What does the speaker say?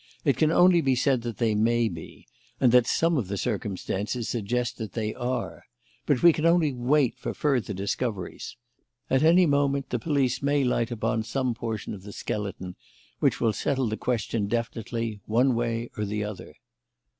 It can only be said that they may be, and that some of the circumstances suggest that they are. But we can only wait for further discoveries. At any moment the police may light upon some portion of the skeleton which will settle the question definitely one way or the other."